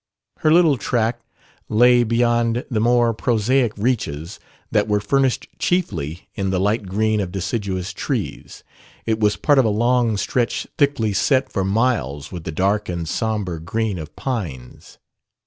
Her little tract lay beyond the more prosaic reaches that were furnished chiefly in the light green of deciduous trees; it was part of a long stretch thickly set for miles with the dark and sombre green of pines.